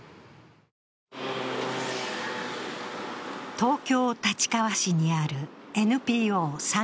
東京・立川市にあるＮＰＯ法人さん